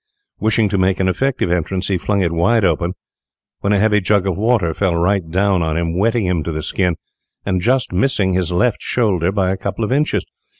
Wishing to make an effective entrance, he flung it wide open, when a heavy jug of water fell right down on him, wetting him to the skin, and just missing his left shoulder by a couple of inches.